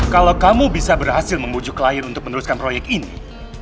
kalau kamu bisa berhasil membujuk lain untuk meneruskan proyek ini